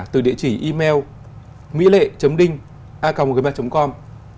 từ địa chỉ email mỹlệ ding com